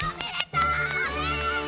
おめでと！